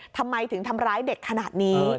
ทำไมถึงทำร้ายเด็กขนาดนี้